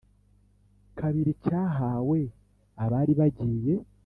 kabiri cyahawe abari bagiye